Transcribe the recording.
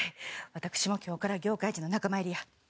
私も今日から業界人の仲間入りや。